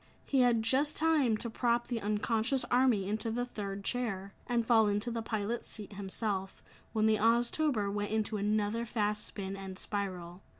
He had just time to prop the unconscious army into the third chair, and fall into the pilot's seat himself, when the Oztober went into another fast spin and spiral.